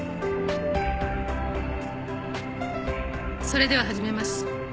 それでは始めます。